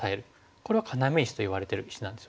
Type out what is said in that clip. これは要石といわれてる石なんですね。